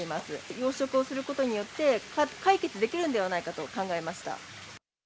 養殖をすることによって、解決できるんではないかと考えました。